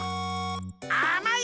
あまい！